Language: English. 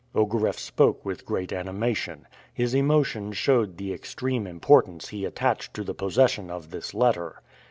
Ogareff spoke with great animation. His emotion showed the extreme importance he attached to the possession of this letter.